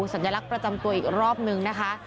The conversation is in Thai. สัญลักษณ์ประจำตัวอีกรอบนึงนะคะ